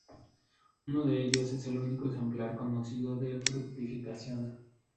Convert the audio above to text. Uno de ellos es el único ejemplar conocido de fructificación.